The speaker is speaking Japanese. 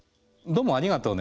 どうもありがとう。